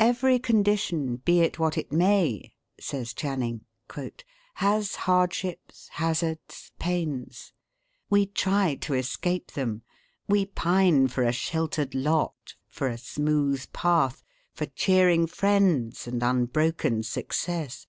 "Every condition, be it what it may," says Channing, "has hardships, hazards, pains. We try to escape them; we pine for a sheltered lot, for a smooth path, for cheering friends, and unbroken success.